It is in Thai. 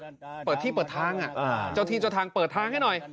เปิดเปิดที่เปิดทางอ่ะอ่าเจ้าทีนเจ้าทางเปิดทางให้หน่อย